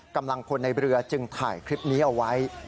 กำลังพลในเรือจึงถ่ายคลิปนี้เอาไว้